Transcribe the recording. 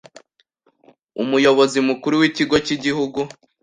Umuyobozi Mukuru w’Ikigo cy’Igihugu